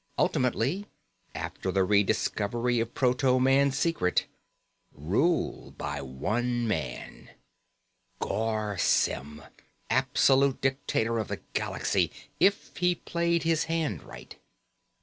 Ultimately, after the rediscovery of proto man's secret rule by one man. Garr Symm, absolute dictator of the galaxy, if he played his hand right.